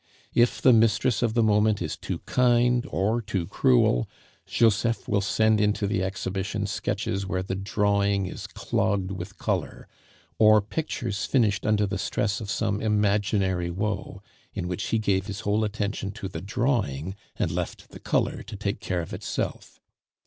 If the mistress of the moment is too kind or too cruel, Joseph will send into the Exhibition sketches where the drawing is clogged with color, or pictures finished under the stress of some imaginary woe, in which he gave his whole attention to the drawing, and left the color to take care of itself.